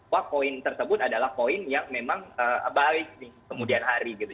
wah koin tersebut adalah koin yang memang baik nih kemudian hari gitu